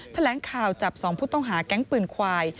แถลงข่าวจับ๒ผู้ต้องหาแก๊งปืนควาย